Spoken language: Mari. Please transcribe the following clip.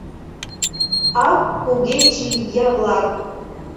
Ак, кугече ия-влак!